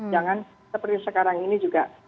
jangan seperti sekarang ini juga